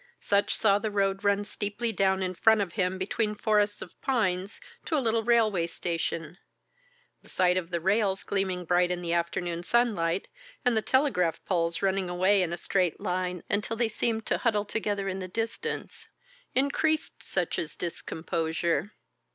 Sutch saw the road run steeply down in front of him between forests of pines to a little railway station. The sight of the rails gleaming bright in the afternoon sunlight, and the telegraph poles running away in a straight line until they seemed to huddle together in the distance, increased Sutch's discomposure.